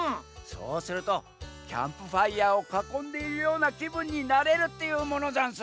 そうするとキャンプファイヤーをかこんでいるようなきぶんになれるっていうものざんす。